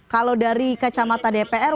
kalau dari kacamata dpr